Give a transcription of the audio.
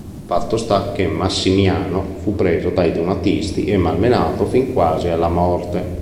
Fatto sta che Massimiano fu preso dai donatisti e malmenato fin quasi alla morte.